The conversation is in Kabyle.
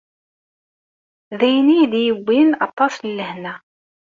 D ayen i yi-d-yewwin aṭas n lehna.